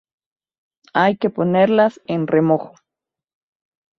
Hay que ponerlas en el remojo.